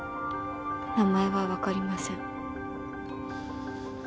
名前はわかりません。